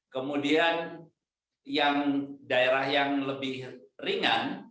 kemudian yang daerah yang lebih ringan